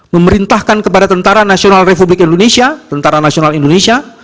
sembilan memerintahkan kepada tentara nasional republik indonesia